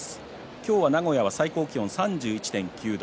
今日は名古屋、最高気温３１．９度。